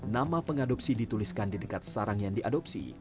nama pengadopsi dituliskan di dekat sarang yang diadopsi